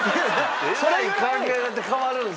えらい考え方変わるんですね！